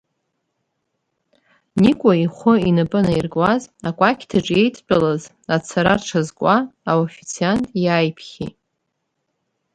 Никәа ихәы инапанаиркуаз, акәақьҭаҿ еидтәалаз ацара рҽазкуа, аофициант иааиԥхьеит.